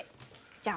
じゃあ